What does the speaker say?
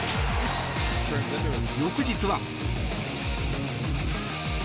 翌日は。